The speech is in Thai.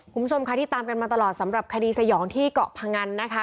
คุณผู้ชมค่ะที่ตามกันมาตลอดสำหรับคดีสยองที่เกาะพงันนะคะ